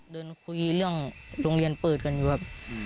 เดินคุยเรื่องโรงเรียนเปิดกันอยู่แบบ